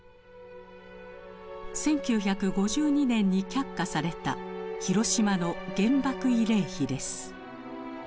１９５２年に却下された広島の原爆慰霊碑です。